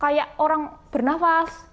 kayak orang bernafas